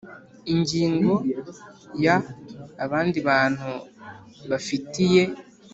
Ingingo ya abandi bantu bafitiye